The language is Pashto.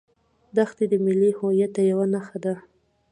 دښتې د ملي هویت یوه نښه ده.